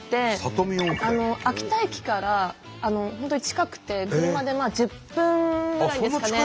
秋田駅から本当に近くて車で１０分ぐらいですかね。